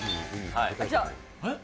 えっ？